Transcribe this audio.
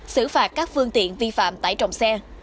xử phạt các phương tiện vi phạm tải trọng xe